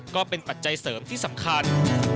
ก็เป็นปัจจัยเสริมที่สำคัญ